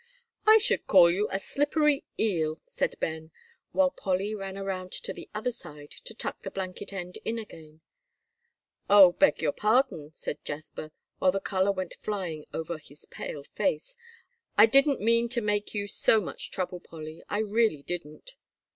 "I should call you a slippery eel," said Ben, while Polly ran around to the other side to tuck the blanket end in again. "Oh, beg your pardon," said Jasper, while the color went flying over his pale face. "I didn't mean to make you so much trouble, Polly, I really didn't."